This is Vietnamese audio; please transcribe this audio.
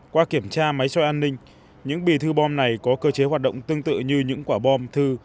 qua kiểm tra máy soi an ninh những bì thư bom này có cơ chế hoạt động tương tự như những quả bom thư